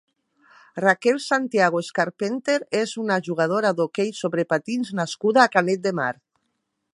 Raquel Santiago Escarpenter és una jugadora d'hoquei sobre patins nascuda a Canet de Mar.